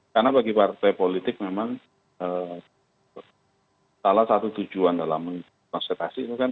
karena bagi partai politik memang salah satu tujuan dalam konservasi itu kan